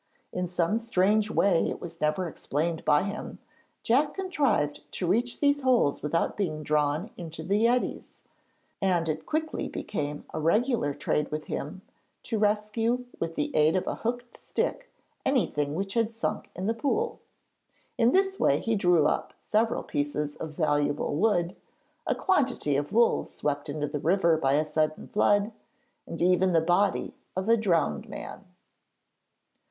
In some strange way which was never explained by him, Jack contrived to reach these holes without being drawn into the eddies, and it quickly became a regular trade with him to rescue with the aid of a hooked stick anything which had sunk in the pool. In this way he drew up several pieces of valuable wood, a quantity of wool swept into the river by a sudden flood, and even the body of a drowned man.